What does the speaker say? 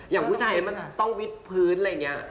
อย่างผู้ชายมันต้องวิดพื้นอะไรอย่างนี้